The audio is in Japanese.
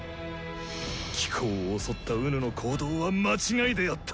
貴公を襲った己の行動は間違いであった。